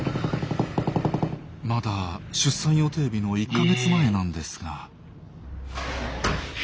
まだ出産予定日の１か月前なんですが。